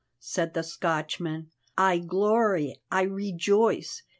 said the Scotchman. "I glory, I rejoice!